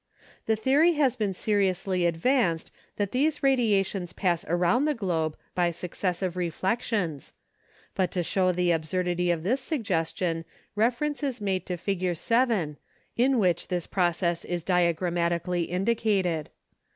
The theory has been seriously ad vanced that these radiations pass around the globe by successive reflections, but to show the absurdity of this suggestion refer ence is made to Fig. 7 in which this process is diagrammatically indicated.